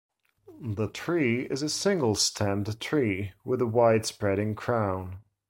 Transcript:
The tree is a single stemmed tree with a wide spreading crown.